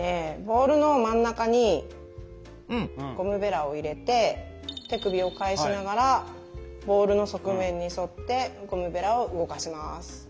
ボウルの真ん中にゴムベラを入れて手首を返しながらボウルの側面に沿ってゴムベラを動かします。